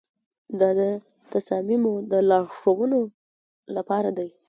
دا د تصامیمو د لارښوونې لپاره دی.